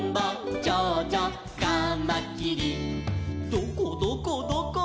「どこどこどこ？」